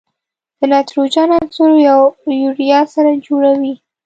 د نایتروجن عنصر یوریا سره جوړوي.